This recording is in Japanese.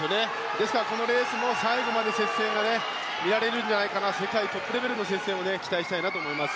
ですから、このレースも最後まで接戦が見られるんじゃないかな世界トップレベルの接戦を期待したいと思います。